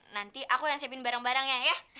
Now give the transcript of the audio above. nanti aku yang siapin barang barangnya ya